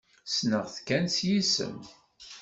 Ssneɣ-t kan s yisem.